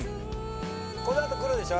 このあとくるでしょ？